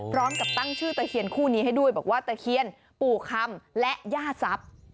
พร้อมกับตั้งชื่อตะเคียนคู่นี้ให้ด้วยบอกว่าตะเคียนปู่คำและย่าทรัพย์